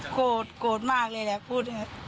โกรธโกรธมากเลยแหละพูดอย่างเงี้ย